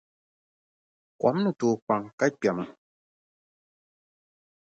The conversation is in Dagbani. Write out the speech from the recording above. Kom ni tooi kpaŋ ka kpɛma.